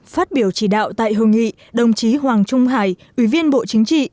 phát biểu chỉ đạo tại hội nghị đồng chí hoàng trung hải ủy viên bộ chính trị